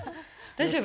大丈夫？